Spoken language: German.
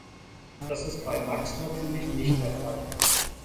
Das ist bei Max natürlich nicht der Fall!